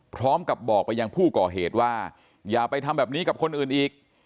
พร้อมกับบอกไปยังผู้ก่อเหตุว่าอย่าไปทำแบบนี้กับคนอื่นอีก